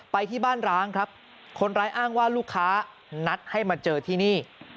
ไปที่บ้านร้างครับคนร้ายอ้างว่าลูกค้านัดให้มาเจอที่นี่